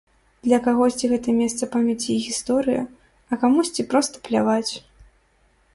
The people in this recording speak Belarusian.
Для кагосьці гэта месца памяці і гісторыя, а камусьці проста пляваць.